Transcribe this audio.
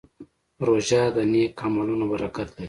روژه د نیک عملونو برکت لري.